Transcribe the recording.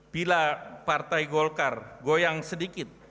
bila partai golkar goyang sedikit